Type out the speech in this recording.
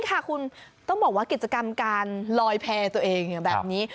ค่ะคุณต้องบอกว่ากิจกรรมการลอยแพร่ตัวเองแบบนี้